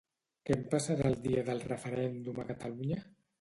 Què em passarà el dia del referèndum a Catalunya?